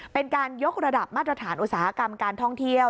เป็นการยกระดับมาตรฐานอุตสาหกรรมการท่องเที่ยว